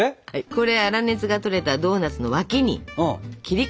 これ粗熱がとれたドーナツの脇に切り込みを入れます。